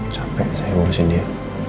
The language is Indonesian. capek saya ngurusin dia